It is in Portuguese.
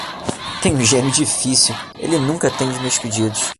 Tenho um gênio difícil: ele nunca atende meus pedidos.